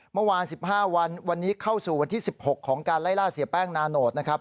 เมื่อวาน๑๕วันวันนี้เข้าสู่วันที่๑๖ของการไล่ล่าเสียแป้งนาโนตนะครับ